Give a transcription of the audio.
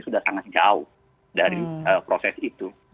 sudah sangat jauh dari proses itu